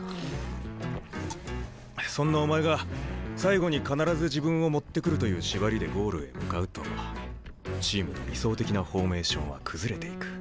そんなお前が最後に必ず自分を持ってくるという縛りでゴールへ向かうとチームの理想的なフォーメーションは崩れていく。